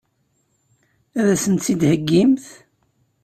Ad sen-tt-id-theggimt?